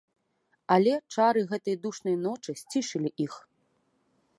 Але чары гэтай душнай ночы сцішылі іх.